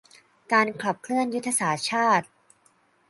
การขับเคลื่อนยุทธศาสตร์ชาติ